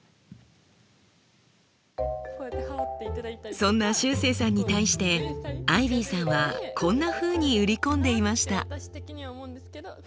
そんなしゅうせいさんに対してアイビーさんはこんなふうに売り込んでいました。